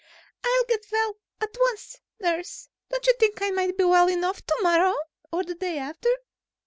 "I'll get well at once, nurse. Don't you think I might be well enough tomorrow? Or the day after?